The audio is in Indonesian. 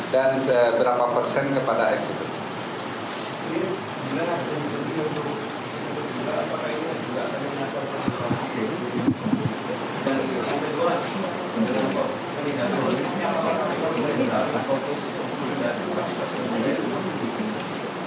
dan berapa persen kepada eksekutif